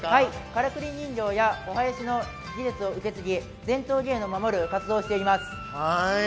からくり人形の伝統を受け継ぎ伝統芸能を守る活動をしています。